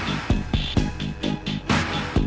tuh kayaknya gue pulang aja ya